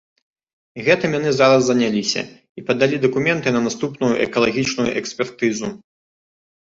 І гэтым яны зараз заняліся, і падалі дакументы на наступную экалагічную экспертызу.